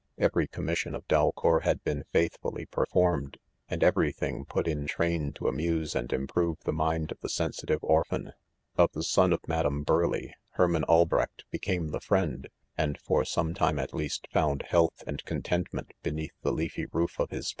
'Every com mission of Daleour. had ' been faithfully per formed j and every thing pat In train to amuse and Improve the mind. of the sensitive orphan* 'Of the son of Madame Burleigh Herman Ak. hrechi became' .the friend, and. for some time, at le&Bt,. found, health and contentment beneath , the leafy roof of his.